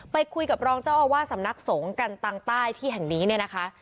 ไปคุยกับรองเจ้าอาวาสสำนักสงฆ์กันตังใต้ที่แห่งนี้เนี่ยนะคะ